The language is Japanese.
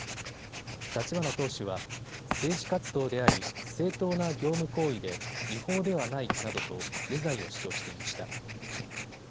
立花党首は、政治活動であり、正当な業務行為で違法ではないなどと無罪を主張していました。